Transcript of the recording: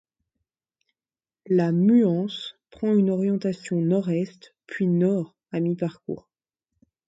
La Muance prend une orientation nord-est puis nord à mi-parcours.